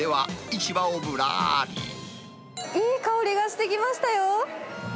いい香りがしてきましたよ。